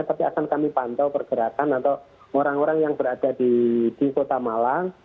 tapi akan kami pantau pergerakan atau orang orang yang berada di kota malang